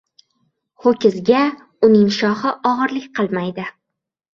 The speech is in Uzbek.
• Ho‘kizga uning shoxi og‘irlik qilmaydi.